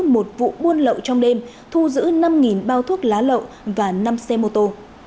một vụ buôn lậu trong đêm thu giữ năm bao thuốc lá lậu và năm xe mô tô